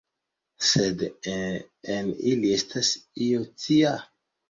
Sed en ili estas io tia!